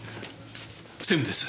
専務です。